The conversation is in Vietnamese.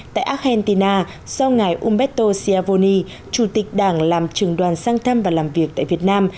tại argentina sau ngày umbetto siavoni chủ tịch đảng làm trường đoàn sang thăm và làm việc tại việt nam